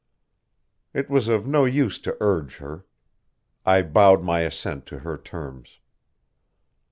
It was of no use to urge her. I bowed my assent to her terms.